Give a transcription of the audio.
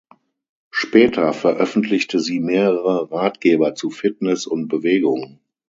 Später veröffentlichte sie mehrere Ratgeber zu Fitness und Bewegung.